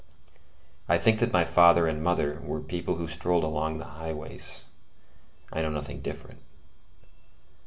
I think that my father and mother were people who strolled along the highways; I know nothing different.